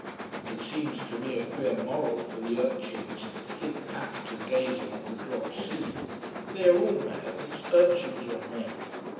It seems to me a queer moral for the urchins thick packed and gazing at the drop scene. They are all males: urchins or men.